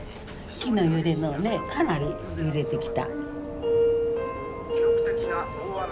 木の揺れもねかなり揺れてきた。